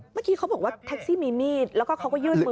เมื่อกี้เขาบอกว่าแท็กซี่มีมีดแล้วก็เขาก็ยื่นมือ